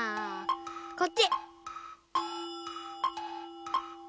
こっち！